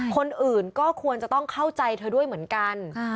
คนอื่นก็ควรจะต้องเข้าใจเธอด้วยเหมือนกัน